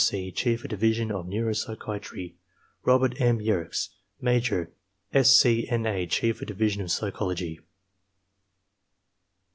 C, Chief of Division of N euro psychiatry. Robert M. Yerkes, Major J S, C,j N. A.y Chief of Division of Psychology, 4.